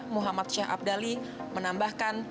muhammad syah abdali menambahkan